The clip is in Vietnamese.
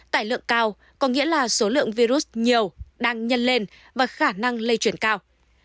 tài lượng cao có nghĩa là số lượng virus nhiều đang nhân lên và khả năng lây chuyển cao